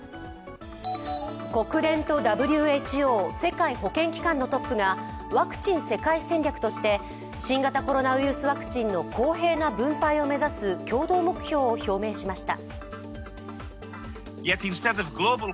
国連とＷＨＯ＝世界保健機関のトップがワクチン世界戦略として新型コロナウイルスワクチンの公平な分配を目指す共同目標を表明しました。